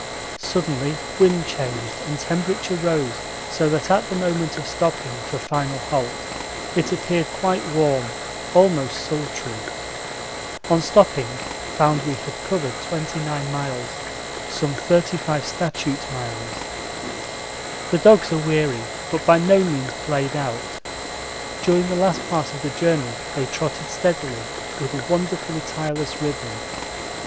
Suddenly wind changed and temperature rose so that at the moment of stopping for final halt it appeared quite warm, almost sultry. On stopping found we had covered 29 miles, some 35 statute miles. The dogs are weary but by no means played out during the last part of the journey they trotted steadily with a wonderfully tireless rhythm.